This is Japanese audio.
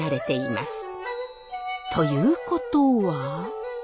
ということは。